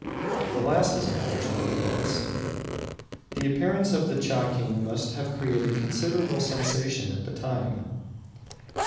The last is unfortunately lost. The appearance of the "Chaking" must have created considerable sensation at the time.